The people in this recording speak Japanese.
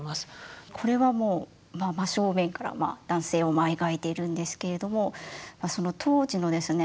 これはもう真正面から男性を描いているんですけれどもその当時のですね